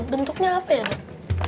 bentuknya apa ya dot